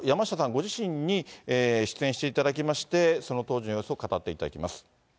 ご自身に出演していただきまして、その当時の様子を語っていただきます。